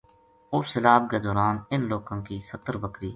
اُس سیلاب کے دوران اِن لوکا ں کی ستر بکری